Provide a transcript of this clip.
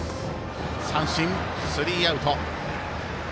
三振、スリーアウト。